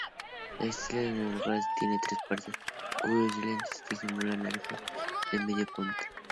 De estilo neoclásico, tiene tres puertas, cuyos dinteles simulan arcos de medio punto.